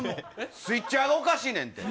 スイッチャーがおかしいねんて。